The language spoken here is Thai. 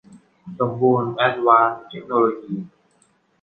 สมบูรณ์ แอ๊ดวานซ์ เทคโนโลยี